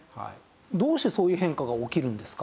どうしてそういう変化が起きるんですか？